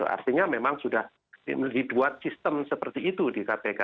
artinya memang sudah dibuat sistem seperti itu di kpk